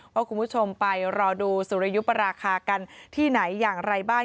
ว่าคุณผู้ชมไปรอดูสุริยุปราคากันที่ไหนอย่างไรบ้าง